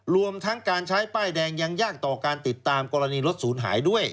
รวมทั้งการใช้ป้ายแดงยังยากต่อการติดตามกรณีรถศูนย์หายด้วย